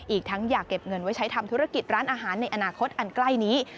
อีกทั้งอยากเก็บเงินไว้ใช้ทำธุรกิจร้านอาหารในอนาคตอันใกล้นี้